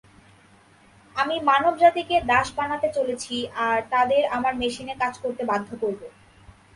আমি মানবজাতিকে দাস বানাতে চলেছি আর তাদের আমার মেশিনে কাজ করতে বাধ্য করব।